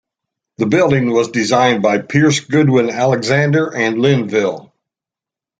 The building was designed by Pierce Goodwin Alexander and Linville.